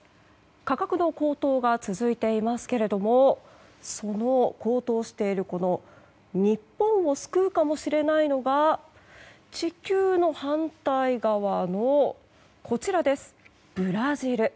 価格の高騰が続いていますけれどもその高騰している日本を救うかもしれないのが地球の反対側のブラジル。